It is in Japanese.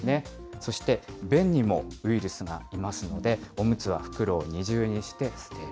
そして、便にもウイルスがいますので、おむつは袋を二重にして捨てる。